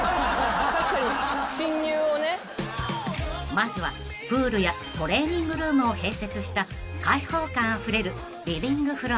［まずはプールやトレーニングルームを併設した開放感あふれるリビングフロア］